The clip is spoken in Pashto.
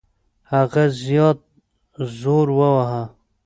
هغه زیات زور وواهه.